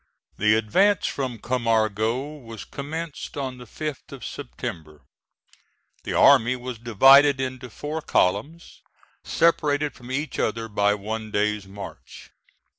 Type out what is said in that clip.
The advance from Camargo was commenced on the 5th of September. The army was divided into four columns, separated from each other by one day's march.